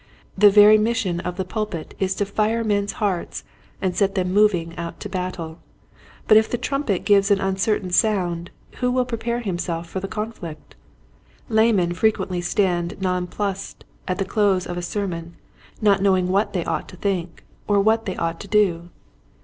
The very mission of the pulpit is to fire men's hearts and set them moving out to battle, but if the trumpet gives an uncertain sound who will prepare himself for the conflict } Laymen frequently stand nonplussed at the close of a sermon not knowing what they ought to think or what they ought to do.